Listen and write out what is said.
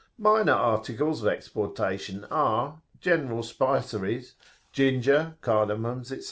Minor articles of exportation are, general spiceries (ginger, cardamons, [p.